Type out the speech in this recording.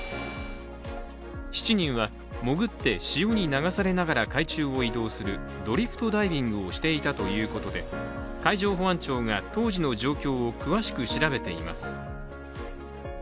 ７人は、潜って潮に流されながら海中を移動するドリフトダイビングをしていたということで海上保安庁が当時の状況を詳しく調べています。